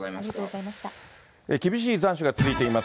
厳しい残暑が続いています。